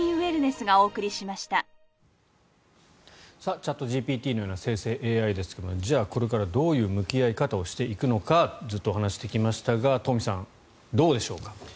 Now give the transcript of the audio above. チャットＧＰＴのような生成ＡＩですがじゃあこれからどういう向き合い方をしていくのかずっと話してきましたが東輝さん、どうでしょうか。